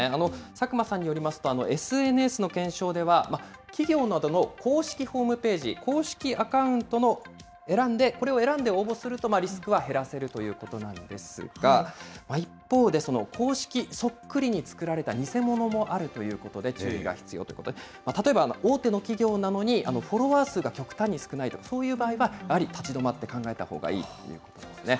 佐久間さんによりますと、ＳＮＳの懸賞では、企業などの公式ホームページ、公式アカウントを選んで、これを選んで応募すると、リスクは減らせるということなんですが、一方で、公式そっくりに作られた偽物もあるということで、注意が必要ということで、例えば大手の企業なのに、フォロワー数が極端に少ないとか、そういう場合は、やはり立ち止まって考えたほうがいいということですね。